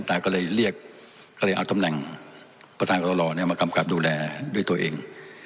ตาก็เลยเรียกก็เลยเอาตำแหน่งประธานกรมากำกับดูแลด้วยตัวเอง